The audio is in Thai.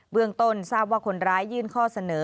เรื่องต้นทราบว่าคนร้ายยื่นข้อเสนอ